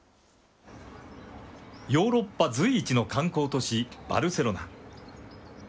ヨーロッパ随一の観光都市、バルセロナ。